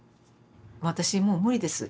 私もう無理です。